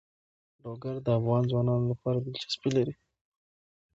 لوگر د افغان ځوانانو لپاره دلچسپي لري.